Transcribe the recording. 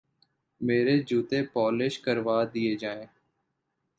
میرے جوتے پالش کروا دیجئے